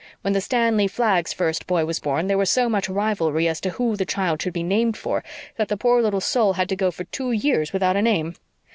When the Stanley Flaggs' first boy was born there was so much rivalry as to who the child should be named for that the poor little soul had to go for two years without a name.